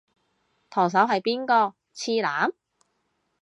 舵手係邊個？次男？